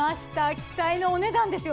期待のお値段ですよ。